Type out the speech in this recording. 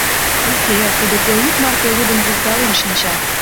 Уке, тудо пелйӱд марте лудын-возгален шинча.